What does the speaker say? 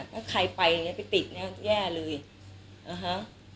ถ้าใครไปอย่างนี้ไปติดเนี่ยแย่เลยนะคะ